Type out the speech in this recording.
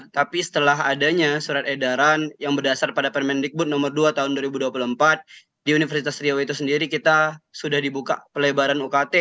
tapi setelah adanya surat edaran yang berdasar pada permendikbud nomor dua tahun dua ribu dua puluh empat di universitas riau itu sendiri kita sudah dibuka pelebaran ukt